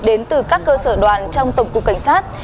đến từ các cơ sở đoàn trong tổng cục cảnh sát